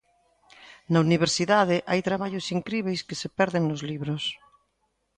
Na universidade hai traballos incríbeis que se perden nos libros.